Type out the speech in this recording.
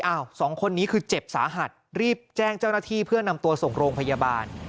สองคนนี้คือเจ็บสาหัสรีบแจ้งเจ้าหน้าที่เพื่อนำตัวส่งโรงพยาบาล